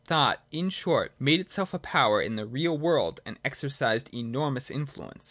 Thought, in short, made itself a power in the real world, and exercised enormous influence.